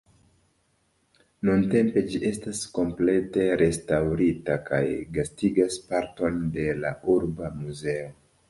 Nuntempe ĝi estas komplete restaŭrita kaj gastigas parton ed la urba muzeo.